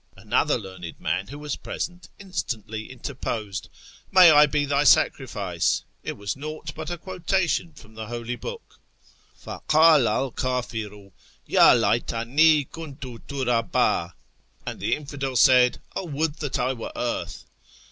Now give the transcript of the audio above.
" Another learned man who was present instantly interposed :" May I be thy sacrifice ! it was naught but a quotation from the Holy Book — 'fa Jcdia 7 Jcdfiru, " Yd laytani himtu turdhd !"'(" and the infidel said, ' 0 would that I were earth